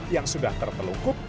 yang sudah tertelukup